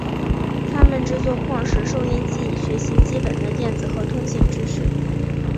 他们制作矿石收音机以学习基本的电子和通信知识。